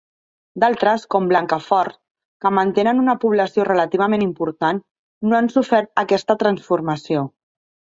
D'altres, com Blancafort, que mantenen una població relativament important, no han sofert aquesta transformació.